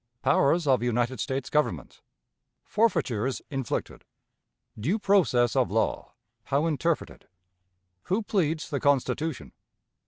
Powers of United States Government. Forfeitures inflicted. Due Process of Law, how interpreted. "Who pleads the Constitution?"